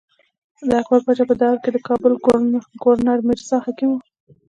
د اکبر باچا په دور کښې د کابل ګورنر مرزا حکيم وو۔